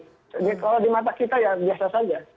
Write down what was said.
kalau di mata kita ya biasa saja